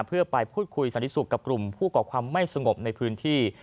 เพื่อไปพูดคุยสันติสุขกับกลุ่มผู้ก่อความไม่สงบในพื้นที่